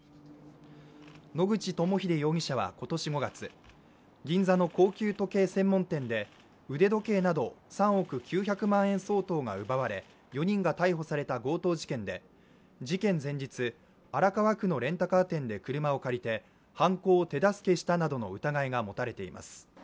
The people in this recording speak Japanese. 野口朋秀容疑者は今年５月、銀座の高級時計専門店で、腕時計など３億９００万円相当が奪われ、４人が逮捕された強盗事件で、事件前日、荒川区のレンタカー店で車を借りて、犯行を手助けしたなどの疑いが持たれています。